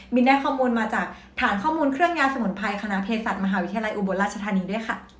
ได้ข้อมูลมาจากฐานข้อมูลเครื่องยาสมุนไพรคณะเพศศาสตร์มหาวิทยาลัยอุบลราชธานีด้วยค่ะ